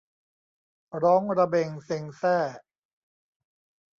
ร้องระเบ็งเซ็งแซ่